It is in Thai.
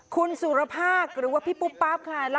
คุณสุรภาษณ์หรือว่าพี่ปุ๊ปป๊าปค่ะ